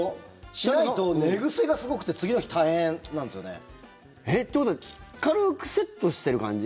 しないと寝癖がすごくて次の日、大変なんですよね。ということは軽くセットしてる感じ？